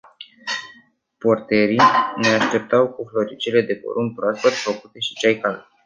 Porterii ne așteptau cu floricele de porumb proaspăt făcute și ceai cald.